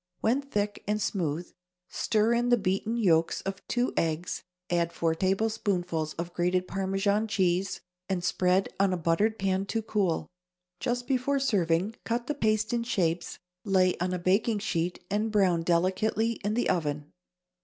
When thick and smooth stir in the beaten yolks of two eggs, add four tablespoonfuls of grated Parmesan cheese, and spread on a buttered pan to cool. Just before serving, cut the paste in shapes, lay on a baking sheet, and brown delicately in the oven.